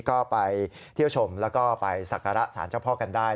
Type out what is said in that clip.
ก็ไปเที่ยวชมแล้วก็ไปสักการะสารเจ้าพ่อกันได้